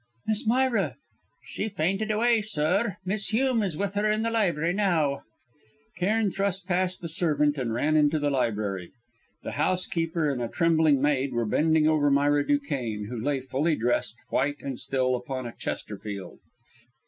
"Miss Myra " "She fainted away, sir. Mrs. Hume is with her in the library, now." Cairn thrust past the servant and ran into the library. The housekeeper and a trembling maid were bending over Myra Duquesne, who lay fully dressed, white and still, upon a Chesterfield.